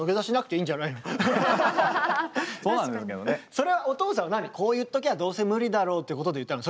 それはお父さんは何こう言っときゃどうせ無理だろうってことで言ったの？